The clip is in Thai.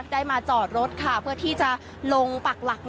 ได้มาจอดรถค่ะเพื่อที่จะลงปักหลัก